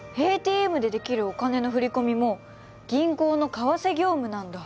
ＡＴＭでできるお金の振り込みも銀行の為替業務なんだ。